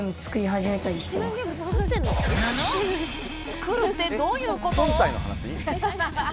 作るって、どういうこと？